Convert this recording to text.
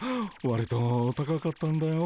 わりと高かったんだよ。